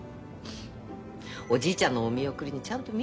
おじいちゃんのお見送りにちゃんと見えてたじゃない。